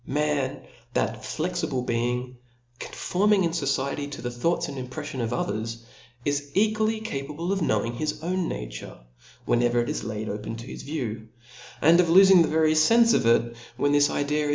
Man, that flexible being, conforming in fo ciety to the thoughts and impreffions of others, is equally capable of knowing his own nature, whenever it is laid open to his view ; and of /, lofing I «ifil The AUTHOR'S PREFACE.